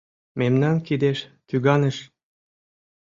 Мемнан кидеш тӱганыш.